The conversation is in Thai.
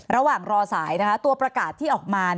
ระหว่างรอสายตัวประกาศที่ออกมา